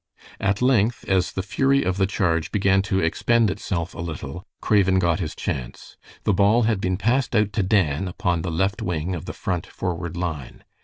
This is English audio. At length, as the fury of the charge began to expend itself a little, Craven got his chance. The ball had been passed out to Dan upon the left wing of the Front forward line.